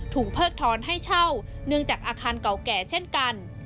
เพิกถอนให้เช่าเนื่องจากอาคารเก่าแก่เช่นกัน